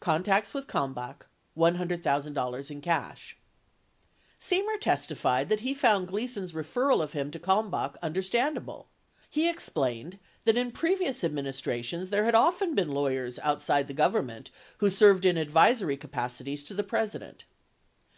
CONTACTS WITH KALMBACH $100,000 IN CASH Semer testified that he found Gleason's referral of him to Kalmbach understandable ; he explained that in previous administrations there had often been lawyers outside the Government who served in advisory capacities to the President.